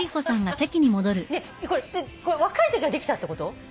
ねえこれ若いときはできたってこと？